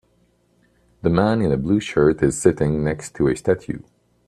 The man in a blue shirt is sitting next to a statue.